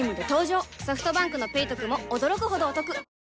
ソフトバンクの「ペイトク」も驚くほどおトク